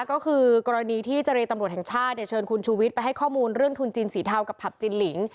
ก็คือกรณีที่เจรตำรวจแห่งชาติเชิญคุณชูวิทย์ไปให้ข้อมูลเรื่องทุนจีนสีเทากับผับจินหลิง